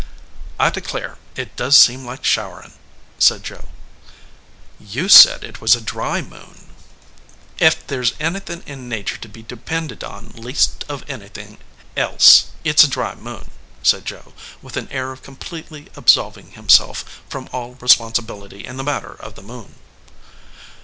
"I declare; it does seem like showerinY said Joe. "You said it was a dry moon." "Ef thar s anything in nature to be depended on least of anything else it s a dry moon," said Joe, 141 EDGEWATER PEOPLE with an air of completely absolving himself from all responsibility in the matter of the moon.